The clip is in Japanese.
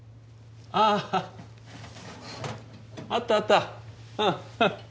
ああったあった！